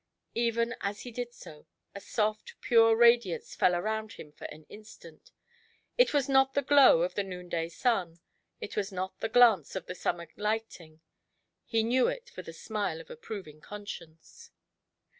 Even as he did so, a soft, pure radiance fell around him fdr an instant; it was not the glow of the noonday sun, it was not the glance of the summer lightning — he knew it for the smile of approving Conscience.